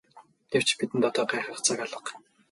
Гэвч бидэнд одоо гайхах цаг алга.